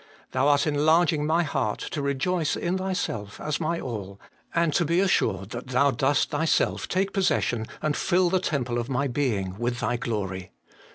Thou art enlarging my heart to rejoice in Thyself as my all, and to be assured that Thou dost Thyself take possession and fill the temple of my being with Thy glory.